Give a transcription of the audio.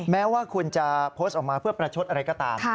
แม้ว่าคุณจะโพสต์ออกมาเพื่อประชดอะไรก็ตาม